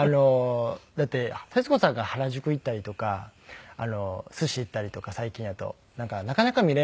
だって徹子さんが原宿行ったりとかすし行ったりとか最近やと。なかなか見れないんで。